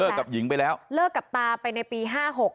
กับหญิงไปแล้วเลิกกับตาไปในปีห้าหก